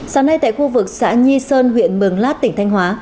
sáng nay tại khu vực xã nhi sơn huyện mường lát tỉnh thanh hóa